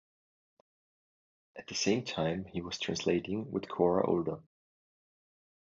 At the same time he was translating with Cora Older.